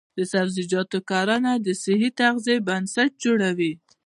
د سبزیجاتو کرنه د صحي تغذیې بنسټ جوړوي.